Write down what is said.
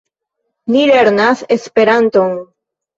Ni lernas Esperanton.